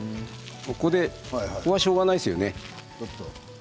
ここはしょうがないですよね。